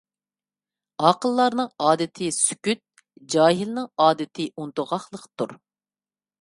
ئاقىللارنىڭ ئادىتى سۈكۈت، جاھىلنىڭ ئادىتى ئۇنتۇغاقلىقتۇر.